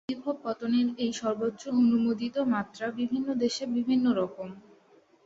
বিভব পতনের এই সর্বোচ্চ অনুমোদিত মাত্রা বিভিন্ন দেশে বিভিন্নরকম।